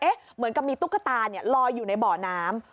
เอ๊ะเหมือนมีตุ๊กตาลอยอยู่ในบ่อน้ำ